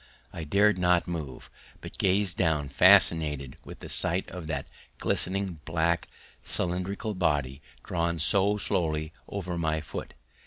I dared not move, but gazed down fascinated with the sight of that glistening black cylindrical body drawn so slowly over my foot.